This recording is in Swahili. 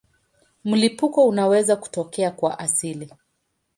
Mlipuko unaweza kutokea kwa asili.